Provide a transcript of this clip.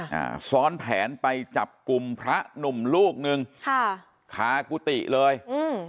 อ่าซ้อนแผนไปจับกลุ่มพระหนุ่มลูกหนึ่งค่ะคากุฏิเลยอืม